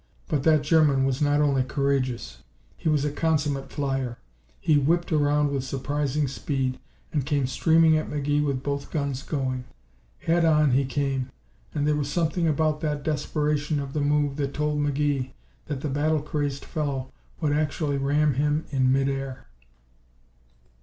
But that German was not only courageous he was a consummate flyer. He whipped around with surprising speed and came streaming at McGee with both guns going. Head on he came, and there was something about the desperation of the move that told McGee that the battle crazed fellow would actually ram him in mid air.